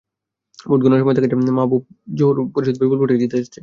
Vote গণনার সময় দেখা যায়, মাহবুব-জহুর পরিষদ বিপুল ভোটে জিতে যাচ্ছে।